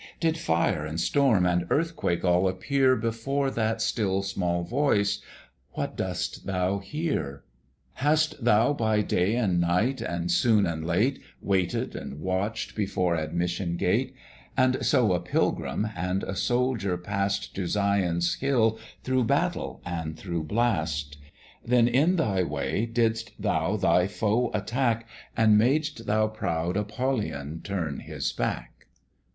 Did fire, and storm, and earthquake all appear Before that still small voice, What dost thou here? Hast thou by day and night, and soon and late, Waited and watch'd before Admission gate; And so a pilgrim and a soldier pass'd To Sion's hill through battle and through blast? Then in thy way didst thou thy foe attack, And mad'st thou proud Apollyon turn his back?'